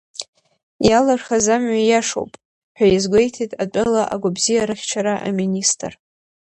Иалырхыз амҩа ииашоуп, ҳәа иазгәеиҭеит атәыла агәабзиарахьчара аминистр.